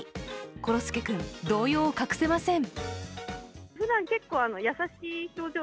ころすけ君、動揺を隠せません。